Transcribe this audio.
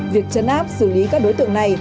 việc chấn áp xử lý các đối tượng này